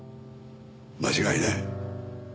間違いない。